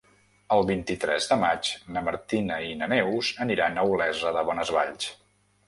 El vint-i-tres de maig na Martina i na Neus aniran a Olesa de Bonesvalls.